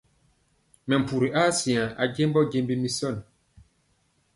Mɛmpuri aa siŋa jembɔ jembi misɔn.